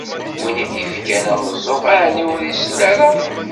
Win i d-ifkan ameẓẓuɣ, ɛni ur isell ara?